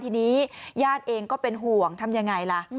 ทีนี้ญาติเองก็เป็นห่วงทำยังไงล่ะ